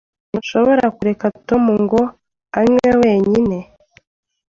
Ntushobora kureka Tom ngo anywe wenyine.